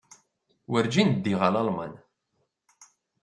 Werjin ddiɣ ɣer Lalman.